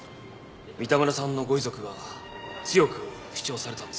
三田村さんのご遺族が強く主張されたんです。